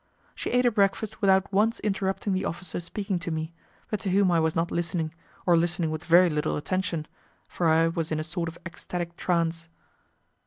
She ate her breakfast without once interrupting the officer speaking to me, but to whom I was not listening, or listening with very little attention, for I was in a sort of ecstatic trance.